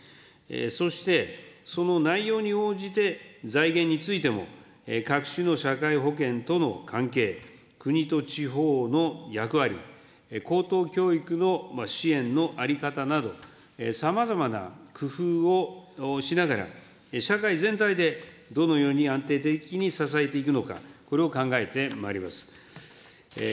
そして、その内容に応じて財源についても、各種の社会保険との関係、国と地方の役割、高等教育の支援の在り方など、さまざまな工夫をしながら、社会全体でどのように安定的に支えていくのか、これを考えてまいります。